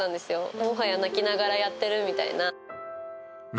もはや泣きながらやってるみたいな。